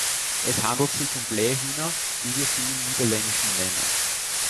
Es handelt sich um "Blähhühner", wie wir sie im Niederländischen nennen.